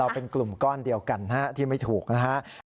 เป็นกลุ่มก้อนเดียวกันที่ไม่ถูกนะครับ